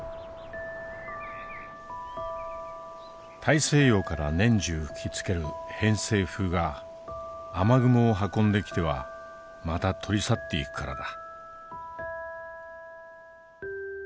大西洋から年中吹きつける偏西風が雨雲を運んできてはまた取り去っていくからだ。